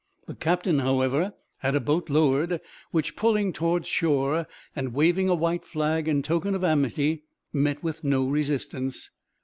The captain, however, had a boat lowered; which, pulling towards shore, and waving a white flag in token of amity, met with no resistance.